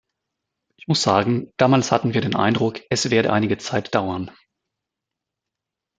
Ich muss sagen, damals hatten wir den Eindruck, es werde einige Zeit dauern.